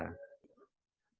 biasa ada yang berkomentar bahwa